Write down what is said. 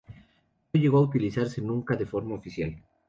No llegó a utilizarse nunca de forma oficial.